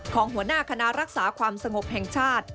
หัวหน้าคณะรักษาความสงบแห่งชาติ